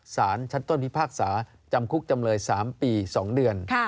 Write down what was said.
สารชั้นต้นพิพากษาจำคุกจำเลย๓ปี๒เดือน